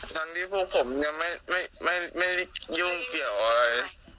คืออยากให้เขาหยุดเถอะครับพี่